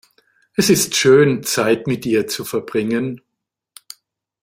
Es ist schön, Zeit mit dir zu verbringen.